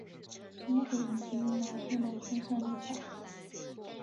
什么鬼东西？一拿出来风扇就散了。